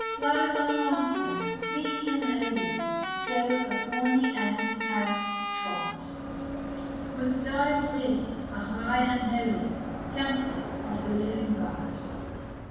Like thy Master, meek and lowly, Thou a thorny earth hast trod; With thy breast a high and holy Temple of the living God.